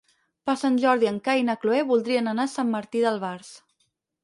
Per Sant Jordi en Cai i na Cloè voldrien anar a Sant Martí d'Albars.